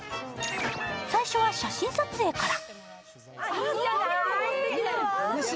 最初は写真撮影から。